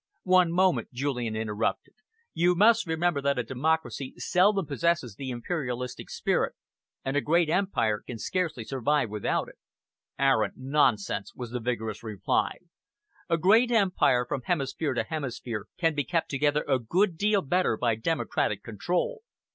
"One moment," Julian interrupted. "You must remember that a democracy seldom possesses the imperialistic spirit, and a great empire can scarcely survive without it." "Arrant nonsense!" was the vigorous reply. "A great empire, from hemisphere to hemisphere, can be kept together a good deal better by democratic control.